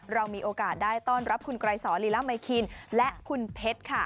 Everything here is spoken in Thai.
เรามีโอกาสได้ต้อนรับคุณไกรสอลีลาไมคินและคุณเพชรค่ะ